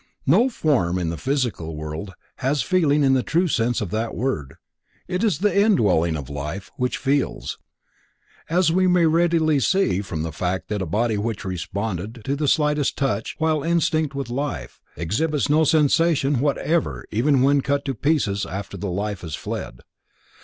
No form in the physical world has feeling in the true sense of that word. It is the indwelling life which feels, as we may readily see from the fact that a body which responded to the slightest touch while instinct with life, exhibits no sensation whatever even when cut to pieces after the life has fled.